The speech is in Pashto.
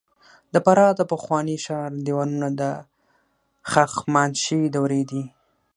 د فراه د پخواني ښار دیوالونه د هخامنشي دورې دي